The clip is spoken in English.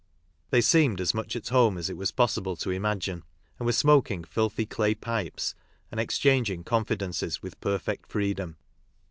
They seemed as much at home as it was possible to imagine, and were smoking filthy clay pipes and exchanging confidences with perfect freedom.